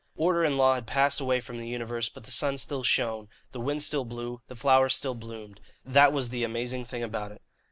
Order and law had passed away from the universe; but the sun still shone, the wind still blew, the flowers still bloomed that was the amazing thing about it.